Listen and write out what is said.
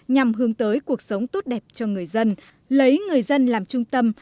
nhằm hướng tới cuộc sống tốt đẹp cho người dân lấy người dân làm trung tâm